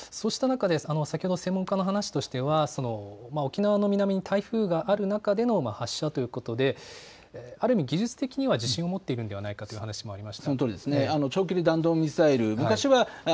そうした中で先ほど、専門家の話としては沖縄の南に台風がある中での発射ということである意味、技術的には自信を持っているのではないかという話もありました。